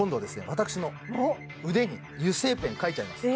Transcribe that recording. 私の腕に油性ペン書いちゃいます